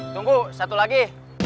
tunggu satu lagi